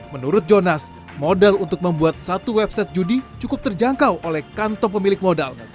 menurut jonas modal untuk membuat satu website judi cukup terjangkau oleh kantong pemilik modal